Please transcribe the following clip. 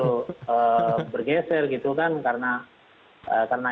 bergeser gitu kan karena